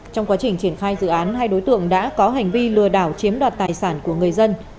trong quá trình triển khai dự án hai đối tượng đã có hành vi lừa đảo chiếm đoạt tài sản của người dân